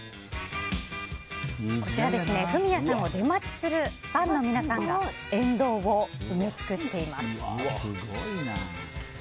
フミヤさんを出待ちするファンの皆さんが沿道を埋め尽くしています。